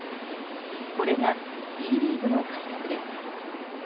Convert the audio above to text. これがＢリーグの改革です。